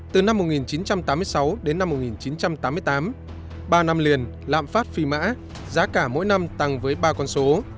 từ năm một nghìn chín trăm tám mươi sáu đến năm một nghìn chín trăm tám mươi tám ba năm liền lạm phát phi mã giá cả mỗi năm tăng với ba con số